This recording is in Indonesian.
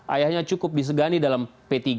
ayahnya cukup disegani dalam p tiga